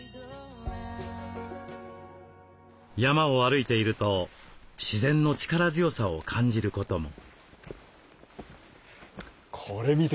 山を歩いていると自然の力強さを感じることも。